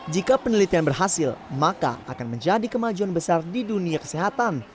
jika penelitian berhasil maka akan menjadi kemajuan besar di dunia kesehatan